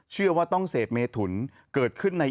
เชื่อว่าต้องเสพเมถุนเกิดขึ้นใน